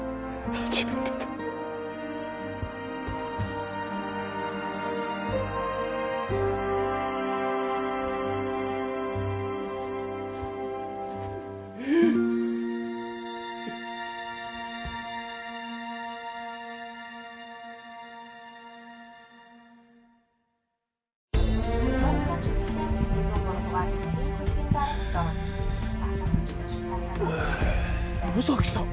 初めてでうあ野崎さん！